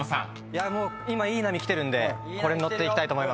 今いい波きてるんでこれに乗っていきたいと思います。